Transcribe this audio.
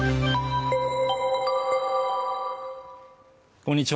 こんにちは